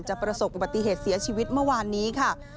ประสบอุบัติเหตุเสียชีวิตเมื่อวานนี้ค่ะ